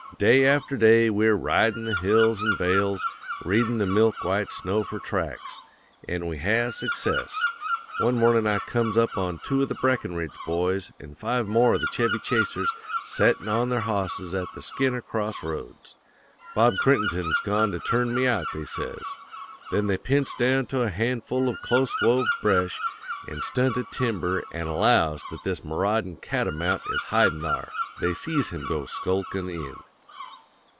Day after day we're ridin' the hills an' vales, readin' the milk white snow for tracks. An' we has success. One mornin' I comes up on two of the Brackenridge boys an' five more of the Chevy Chasers settin' on their hosses at the Skinner cross roads. Bob Crittenden's gone to turn me out, they says. Then they p'ints down to a handful of close wove bresh an' stunted timber an' allows that this maraudin' cat o mount is hidin' thar; they sees him go skulkin' in.